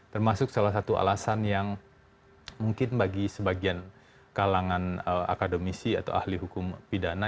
termasuk salah satu alasan yang mungkin bagi sebagian kalangan akademisi atau ahli hukum pidana